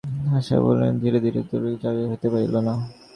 আশা বহুকষ্টে ধীরে ধীরে দ্বারের কাছে গেল, কিছুতেই আর অগ্রসর হইতে পারিল না।